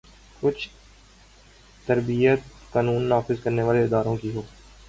کچھ تربیت قانون نافذ کرنے والے اداروں کی ہو۔